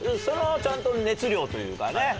それはちゃんと熱量というかね。